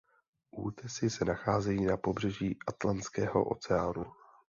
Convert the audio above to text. Útesy se nacházejí na pobřeží Atlantského oceánu.